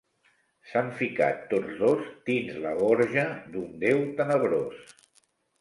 S'han ficat tots dos dins la gorja d'un déu tenebrós.